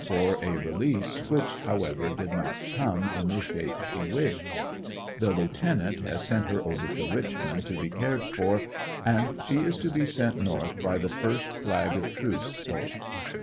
for a release, which, however, did not come in the shape she wished. The lieutenant has sent her ANBERSONVILLE DIARY. 21 over to Richmond to be cared for and she is to be sent north by the first flag of truce boat.